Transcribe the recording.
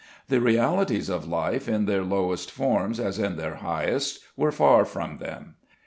The realities of life, in their lowest forms as in their highest, were far from them.